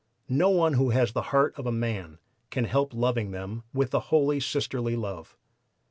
No one who has the heart of a man can help loving them with a holy sisterly love.